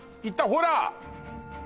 いたほら！